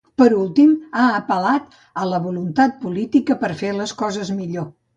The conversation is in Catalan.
Per últim, ha apel·lat a la “voluntat política per fer les coses millor”.